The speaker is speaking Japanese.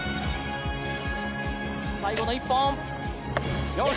最後の１本。